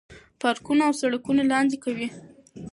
پارکونه او سړکونه لاندې کوي.